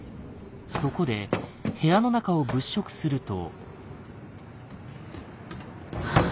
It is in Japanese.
そこで部屋の中を物色すると。